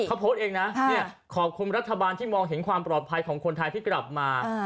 เขาโพสต์เองนะขอบคุณรัฐบาลที่มองเห็นความปลอดภัยของคนไทยที่กลับมา